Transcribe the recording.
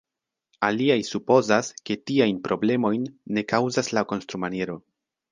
Aliaj supozas, ke tiajn problemojn ne kaŭzas la konstrumaniero.